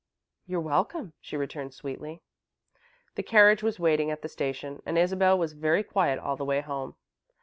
"You're welcome," she returned sweetly. The carriage was waiting at the station, and Isabel was very quiet all the way home.